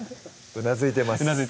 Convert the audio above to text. うなずいてます